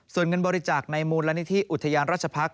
ส่วนเงินบริจาคในมูลนิธิอุทยานราชพักษ